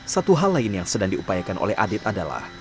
satu hal lain yang sedang diupayakan oleh adit adalah